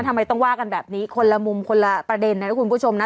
ทำไมต้องว่ากันแบบนี้คนละมุมคนละประเด็นนะนะคุณผู้ชมนะ